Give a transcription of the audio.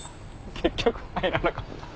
結局入らなかった。